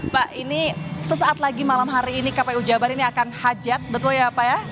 pak ini sesaat lagi malam hari ini kpu jabar ini akan hajat betul ya pak ya